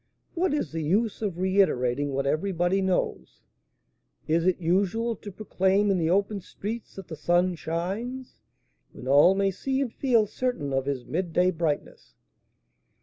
What is the use of reiterating what everybody knows? Is it usual to proclaim in the open streets that the sun shines, when all may see and feel certain of his midday brightness?'"